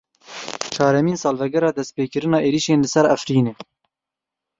Çaremîn salvegera destpêkirina êrişên li ser Efrînê.